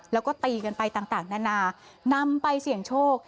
แล้วก็ตีกันไปต่างนานานำไปเสี่ยงโชค